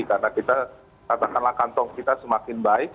karena kita katakanlah kantong kita semakin baik